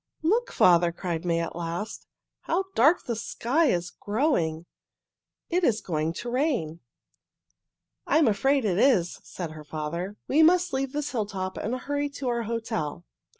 "Look, father!" cried May at last. "How dark the sky is growing! It is going to rain." "I am afraid it is," said her father. "We must leave this hilltop and hurry to our hotel."